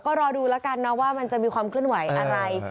ก็รอดูแล้วกันนะว่ามันจะมีความเคลื่อนไหวอะไร